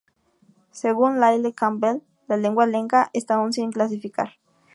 Según Lyle Campbell, la lengua lenca está aún sin clasificar.